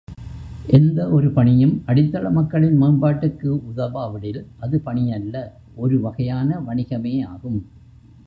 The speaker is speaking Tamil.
எந்த ஒரு பணியும் அடித்தள மக்களின் மேம்பாட்டுக்கு உதவாவிடில் அது பணியல்ல ஒரு வகையான வணிகமேயாகும்.